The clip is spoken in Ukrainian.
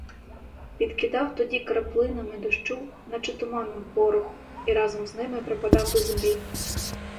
Підкидав тоді краплинами дощу, наче туманом пороху, і разом з ними припадав до землі.